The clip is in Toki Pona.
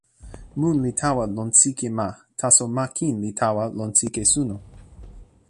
mun li tawa lon sike ma, taso ma kin li tawa lon sike suno.